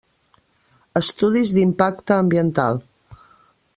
Estudis d'impacte ambiental.